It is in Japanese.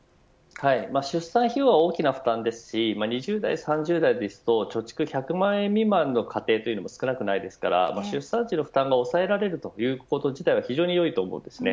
出産費用は大きな負担ですし２０代、３０代ですと貯蓄１００万円未満の家庭も少なくないですから出産時の負担が抑えられること自体は非常に良いと思います。